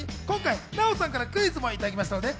今回、奈緒さんからクイズをいただきました。